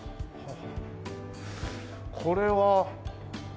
これは。